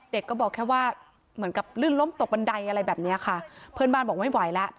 เด็กก็บอกแค่ว่าเหมือนกับลื่นล้มตกบันไดอะไรแบบเนี้ยค่ะเพื่อนบ้านบอกไม่ไหวแล้ว